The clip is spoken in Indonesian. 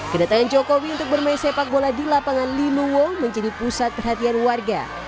kedatangan jokowi untuk bermain sepak bola di lapangan linuwo menjadi pusat perhatian warga